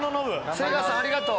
セガさんありがとう。